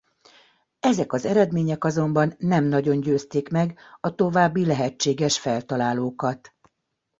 Ezek az eredmények azonban nem nagyon győzték meg a további lehetséges feltalálókat.